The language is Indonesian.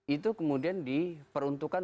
itu kemudian diperuntukkan